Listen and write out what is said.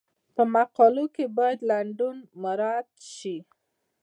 په مقالو کې باید لنډون مراعات شي.